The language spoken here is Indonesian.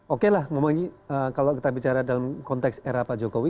oke lah memang ini kalau kita bicara dalam konteks era pak jokowi